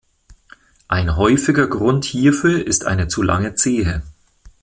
Ein häufiger Grund hierfür ist eine zu lange Zehe.